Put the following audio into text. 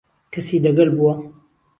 کهسی دهگهل بوە